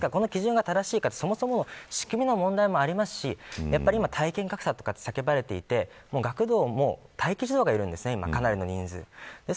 ですから、この基準が正しいかどうか、そもそも仕組みの問題もありますし体験格差とかが叫ばれていて学童も待機児童が今、かなりの人数がいるんです。